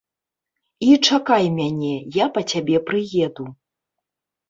І чакай мяне, я па цябе прыеду.